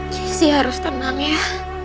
jessy harus tenang ya